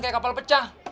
kayak kapal pecah